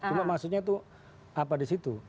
cuma maksudnya itu apa di situ